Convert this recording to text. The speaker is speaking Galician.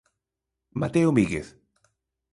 Mateo Míguez.